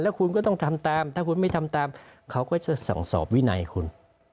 คุณก็ต้องทำตามถ้าคุณไม่ทำตามเขาก็จะสั่งสอบวินัยคุณ